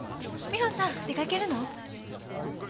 美帆さん出かけるの？